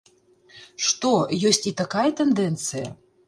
Што, ёсць і такая тэндэнцыя?